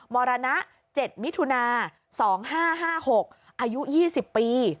มรณะเจ็ดมิถุนาสองห้าห้าหกอายุยี่สิบปี